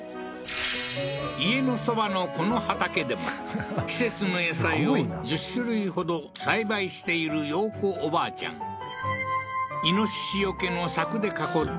家のそばのこの畑でも季節の野菜を１０種類ほど栽培している洋子おばあちゃんイノシシよけの柵で囲った四角い畑の一番奥には